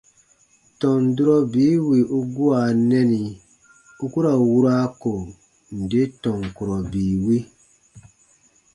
Tɔn durɔ bii wì u gua nɛni u ku ra wura ko nde tɔn kurɔ bii wi.